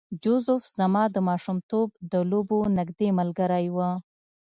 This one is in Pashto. جوزف زما د ماشومتوب د لوبو نږدې ملګری و